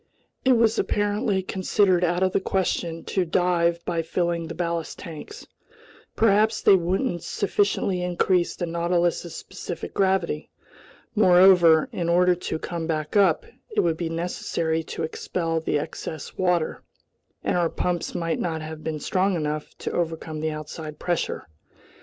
It was apparently considered out of the question to dive by filling the ballast tanks. Perhaps they wouldn't sufficiently increase the Nautilus's specific gravity. Moreover, in order to come back up, it would be necessary to expel the excess water, and our pumps might not have been strong enough to overcome the outside pressure.